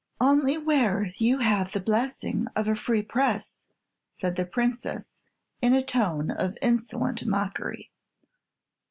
"Only where you have the blessing of a free press," said the Princess, in a tone of insolent mockery.